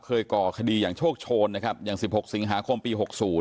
เคยก่อคดีอย่างโชคโชนอย่าง๑๖สิงหาคมปี๖๐